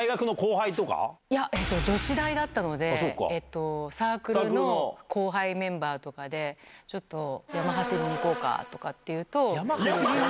いや、女子大だったので、サークルの後輩メンバーとかで、ちょっと山走りに行こうかとか言うと。